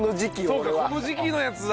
そうかこの時期のやつだ！